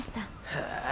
へえ。